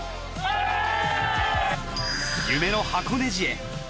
夢の箱根路へ。